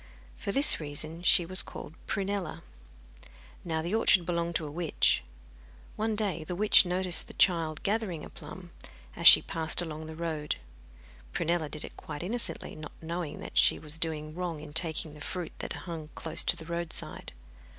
For this reason she was called Prunella. Now, the orchard belonged to a witch. One day the witch noticed the child gathering a plum, as she passed along the road. Prunella did it quite innocently, not knowing that she was doing wrong in taking the fruit that hung close to the roadside.